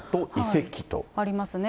ありますね。